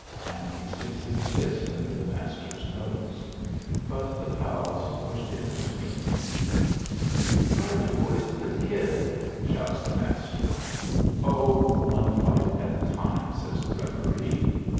and he sticks his fist under the Master's nose. But the pals pushed in between 'em. "He tried to poison the Kid!" shouts the Master. "Oh, one fight at a time," says the referee.